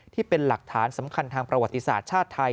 ที่เป็นหลักฐานสำคัญทางประวัติศาสตร์ชาติไทย